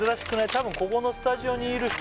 たぶんここのスタジオにいる人